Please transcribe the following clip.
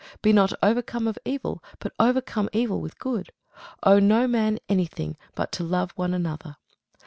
Be not overcome of evil, but overcome evil with good. Owe no man any thing, but to love one another.